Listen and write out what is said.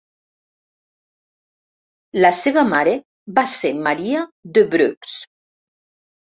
La seva mare va ser Maria d'Évreux.